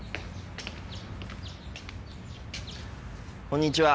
こんにちは。